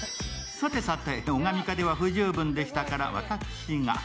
さてさて、オガミカでは不十分でしたから、私が。